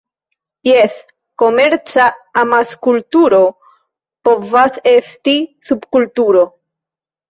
Jes, komerca amaskulturo povas esti subkulturo.